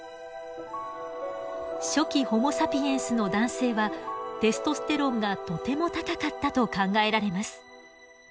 初期ホモサピエンスの男性はテストステロンがとても高かったと考えられます。